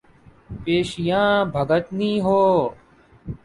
پیشیاں بھگتنی ہوں۔